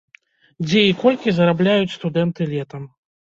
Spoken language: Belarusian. Дзе і колькі зарабляюць студэнты летам?